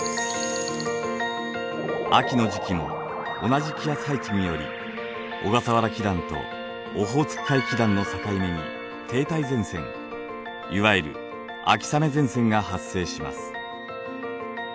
秋の時期も同じ気圧配置により小笠原気団とオホーツク海気団の境目に停滞前線いわゆる秋雨前線が発生します。